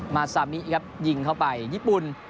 มาซามิครับยิงเข้าไปญี่ปุ่น